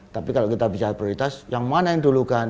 tapi kalau kita bicara prioritas yang mana yang dulukan